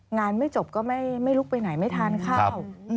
งานไม่จบก็ไม่ลุกไปไหนไม่ทานข้าว